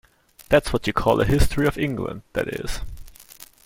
That’s what you call a History of England, that is.